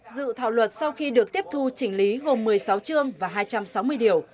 dự thảo luật sau khi được tiếp thu chỉnh lý gồm một mươi sáu chương và hai trăm sáu mươi điều